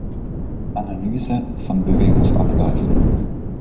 Analyse von Bewegungsabläufen